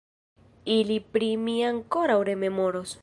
Ili pri mi ankoraŭ rememoros!